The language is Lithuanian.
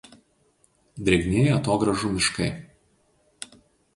Drėgnieji atogrąžų miškai.